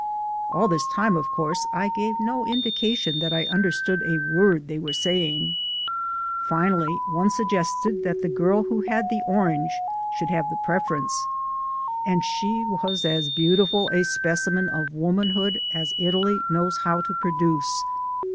All this time, of course, I gave no indication that I understood a word they were saying. Finally, one suggested that the girl who had the orange should have the preference. And she was as beautiful a specimen of womanhood as Italy knows how to produce.